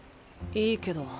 いいけど。